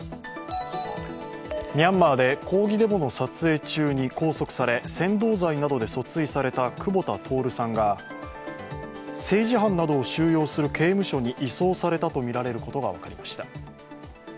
ミャンマーで抗議デモの撮影中に拘束され扇動罪などで訴追された久保田徹さんが政治犯などを収容する刑務所に移送されたとみられることが分かりました。